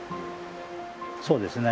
そうですね